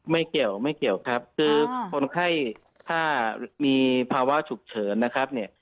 ไม่เกี่ยวไม่เกี่ยวครับคือคนไข้ถ้ามีภาวะฉุกเฉินนะครับเนี่ย